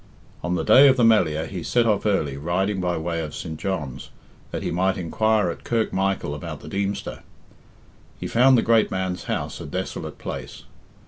On the day of the Melliah he set off early, riding by way of St. John's that he might inquire at Kirk Michael about the Deemster.. He found the great man's house a desolate place.